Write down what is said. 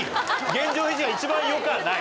現状維持は一番よくはない。